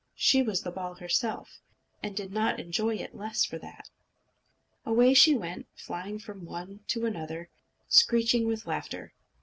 She was the ball herself, and did not enjoy it the less for that. Away she went, flying from one to another, screeching with laughter.